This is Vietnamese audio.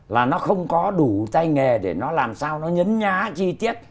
là nó không có đủ tay nghề để nó làm sao nó nhấn nhá chi tiết